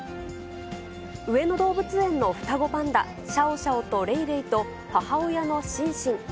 上野動物園の双子パンダ、シャオシャオとレイレイと母親のシンシン。